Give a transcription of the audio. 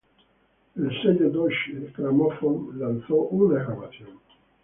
El sello Deutsche Grammophon lanzó una grabación.